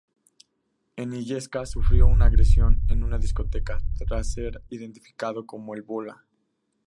En Illescas sufrió una agresión en una discoteca tras ser identificado como "El Bola".